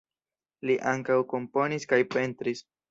Li ankaŭ komponis kaj pentris.